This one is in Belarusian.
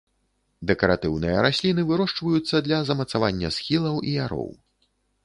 Дэкаратыўныя расліны, вырошчваюцца для замацавання схілаў і яроў.